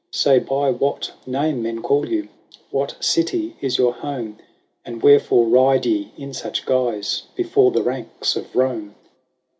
" Say by what name men call you ? What city is your home ? And wherefore ride ye in such guise Before the ranks of Rome